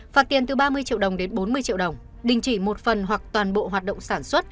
phạt tiền từ ba mươi triệu đồng đến bốn mươi triệu đồng đình chỉ một phần hoặc toàn bộ hoạt động sản xuất